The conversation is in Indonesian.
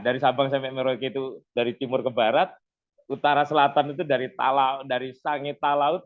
dari sabang sampai merauke itu dari timur ke barat utara selatan itu dari sangi talaut